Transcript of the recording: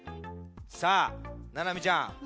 さあななみちゃん